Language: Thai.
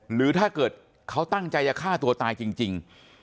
หรือถ้าเกิดเขาตั้งใจจะฆ่าตัวตายจริง